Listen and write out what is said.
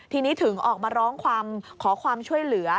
ทีนี้ถึงออกมาร้องขอความช่วยเหลือ